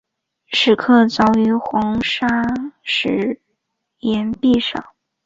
石刻凿于黄砂石崖壁上。